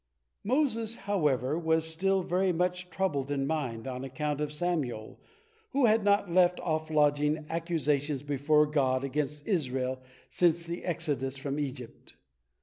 Moses, however, was still very much troubled in mind, on account of Samael, who had not left off lodging accusations before God against Israel since the exodus from Egypt.